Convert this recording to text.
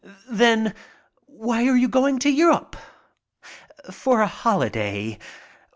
"Then why are you going to Europe?" "For a holiday."